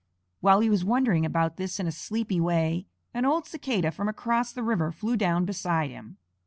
While he was wondering about this in a sleepy way, an old Cicada from across the river flew down beside him.